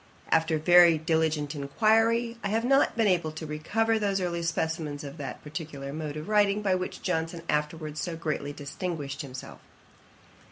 After very diligent inquiry, I have not been able to recover those early specimens of that particular mode of writing by which Johnson afterwards so greatly distinguished himself.